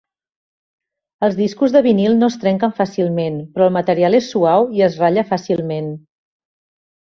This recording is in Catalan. Els discos de vinil no es trenquen fàcilment, però el material és suau i es ratlla fàcilment.